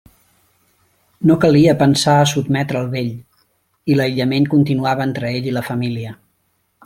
No calia pensar a sotmetre el vell, i l'aïllament continuava entre ell i la família.